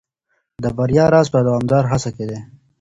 د بریا راز په دوامداره هڅه کي دی.